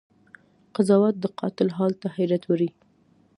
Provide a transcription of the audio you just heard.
قضاوت د قاتل حال ته حيرت وړی